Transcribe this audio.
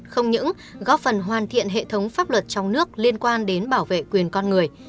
không những góp phần hoàn thiện hệ thống pháp luật trong nước liên quan đến bảo vệ quyền con người